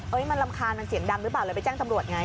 มันรำคาญมันเสียงดังหรือเปล่าเลยไปแจ้งตำรวจไง